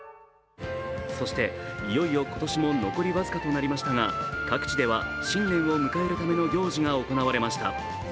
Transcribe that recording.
そして、いよいよ今年も残り僅かとなりましたが、各地では新年を迎えるための行事が行われました。